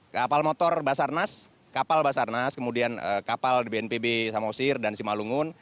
kapal motor basarnas kapal basarnas kemudian kapal bnpb samosir dan simalungun